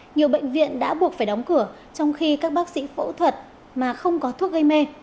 nhiều bệnh viện đã buộc phải đóng cửa trong khi các bác sĩ phẫu thuật mà không có thuốc gây mê